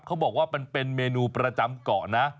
เขาบอกว่ามันเป็นเมนูประจำเกาะนะ